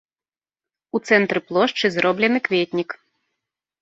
У цэнтры плошчы зроблены кветнік.